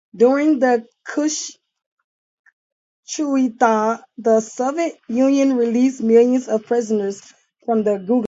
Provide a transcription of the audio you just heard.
During the Khrushchev thaw, the Soviet Union released millions of prisoners from the gulag.